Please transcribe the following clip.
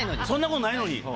そんなことないのに。